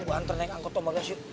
gue ntar naik angkut tombol gas yuk